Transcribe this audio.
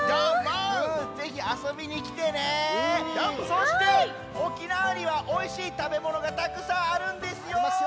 そして沖縄にはおいしいたべものがたくさんあるんですよ。